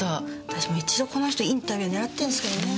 私も一度この人インタビュー狙ってんですけどね。